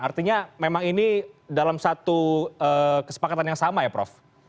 artinya memang ini dalam satu kesepakatan yang sama ya prof